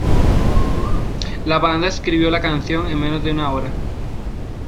La banda escribió la canción en menos de una hora.